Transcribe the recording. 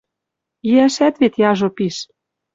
Иӓшӓт вет яжо пиш.